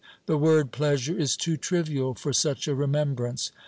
The word pleasure is too trivial for such a remembrance.